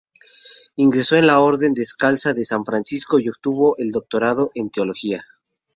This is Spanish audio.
Ingresó en la orden descalza de San Francisco y obtuvo el doctorado en teología.